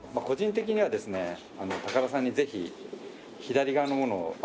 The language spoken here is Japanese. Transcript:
個人的にはですね高田さんにぜひ左側のものを。